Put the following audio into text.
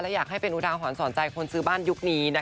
และอยากให้เป็นอุทาหอนสอนใจคนซื้อบ้านยุคนี้นะคะ